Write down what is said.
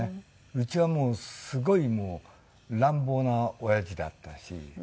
うちはもうすごい乱暴なおやじだったし。